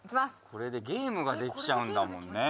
これでゲームができちゃうんだもんね